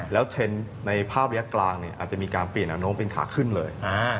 แล้วเทรนด์ในภาพระยะกลางอาจจะมีการเปลี่ยนแนวโน้มเป็นขาขึ้นเลย